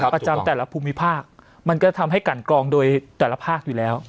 ประจำแต่ละภูมิภาคมันก็ทำให้กันกรองโดยแต่ละภาคอยู่แล้ว